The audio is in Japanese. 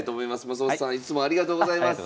松本さんいつもありがとうございます。